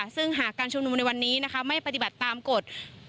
ซึ่งหากการชุมนุมในวันนี้ไม่ปฏิบัติตามกฎ